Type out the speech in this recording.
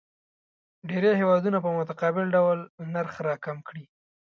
ډېری هیوادونه په متقابل ډول نرخ راکم کړي.